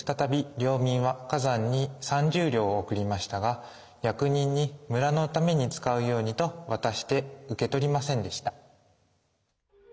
領民は崋山に三十両を贈りましたが役人に「村のために使うように」と渡して受け取りませんでした。